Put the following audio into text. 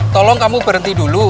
tolong kamu berhenti dulu